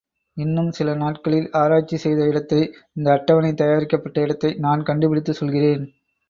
இன்னும் சில நாட்களில், ஆராய்ச்சி செய்த இடத்தை இந்த அட்டவணை தயாரிக்கப்பட்ட இடத்தை நான் கண்டு பிடித்துச் சொல்கிறேன்.